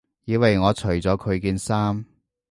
以為我除咗佢件衫